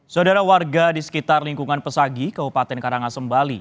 saudara warga di sekitar lingkungan pesagi kabupaten karangasem bali